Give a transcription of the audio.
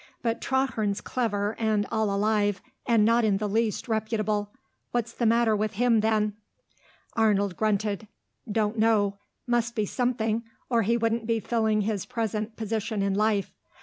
But Traherne's clever and all alive, and not in the least reputable. What's the matter with him, then?" Arnold grunted. "Don't know. Must be something, or he wouldn't be filling his present position in life.